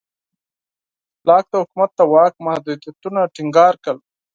لاک د حکومت د واک محدودیتونه ټینګار کړل.